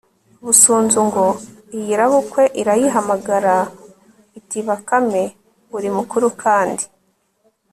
busunzu ngo iyirabukwe, irayihamagara itibakame, uri mukuru kandi